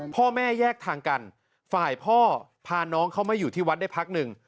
พ่อแม่แยกทางกันฝ่ายพ่อพาน้องเขามาอยู่ที่วัดได้พักหนึ่ง